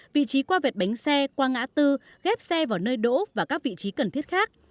vị trí qua vẹt bánh xe qua ngã tư ghép xe vào nơi đỗ và các vị trí cần thiết khác